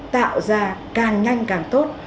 tạo ra càng nhanh càng tốt